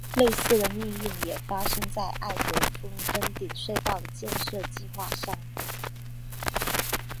类似的命运也发生在艾格峰登顶隧道的建设计画上。